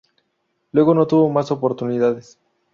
Luego no tuvo más oportunidades.